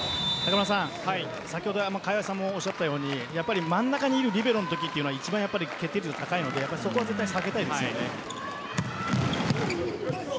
先ほど川合さんもおっしゃったように真ん中にいるリベロのときは決定率が高いのでそこは避けたいですよね。